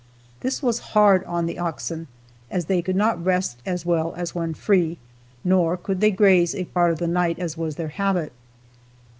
This was hard on the oxen, as they could not rest as well as when free, nor could they graze a part of the night, as was their habit.